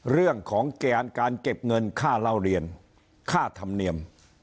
เรื่องของเกณฑ์การเก็บเงินค่าเล่าเรียนค่าธรรมเนียม